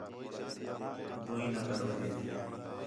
بوݨی نہ کر ون٘ڄے